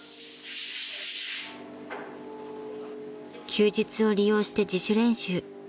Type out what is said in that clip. ［休日を利用して自主練習］